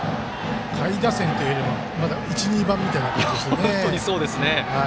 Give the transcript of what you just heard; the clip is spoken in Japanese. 下位打線というより１、２番みたいになってますね。